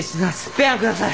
ペアンください！